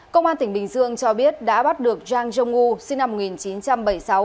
công an tỉnh bình dương cho biết đã bắt được zhang zhongwu sinh năm một nghìn chín trăm bảy mươi sáu